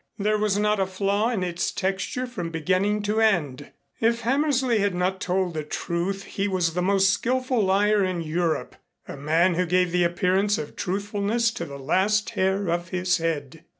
There was not a flaw in its texture from beginning to end. If Hammersley had not told the truth he was the most skillful liar in Europe, a man who gave the appearance of truthfulness to the last hair of his head.